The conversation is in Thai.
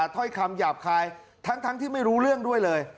ถ้อยคำหยาบคายทั้งที่ไม่รู้เรื่องด้วยเลย